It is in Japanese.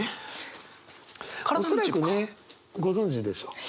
恐らくねご存じでしょう。